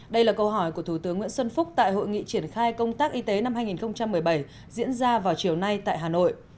đây là câu hỏi của thủ tướng nguyễn xuân phúc tại hội nghị triển khai công tác y tế năm hai nghìn một mươi bảy diễn ra vào chiều nay tại hà nội